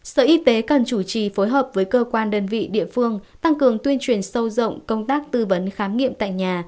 sở y tế cần chủ trì phối hợp với cơ quan đơn vị địa phương tăng cường tuyên truyền sâu rộng công tác tư vấn khám nghiệm tại nhà